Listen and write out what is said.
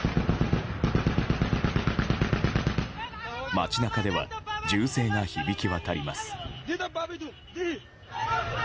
街中では銃声が響き渡ります。